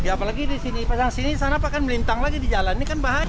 apalagi di sini pasang sini sana kan melintang lagi di jalan